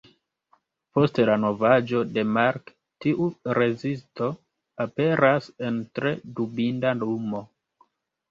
Post la novaĵo de Mark tiu rezisto aperas en tre dubinda lumo.